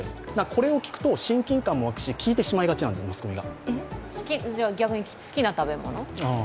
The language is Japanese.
これを聞くと親近感も沸くし、聞いてしまいがちなんです、マスコミが逆に、好きな食べ物？